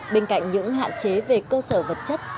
bên cạnh những hạn chế về cơ sở vật chất